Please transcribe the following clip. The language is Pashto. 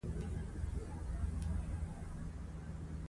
زده کوونکو ته د ازموينې ورقعی مطابق نمرې ورکول کیږی